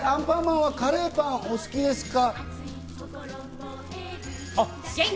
アンパンマンはカレーパンはお好きですか？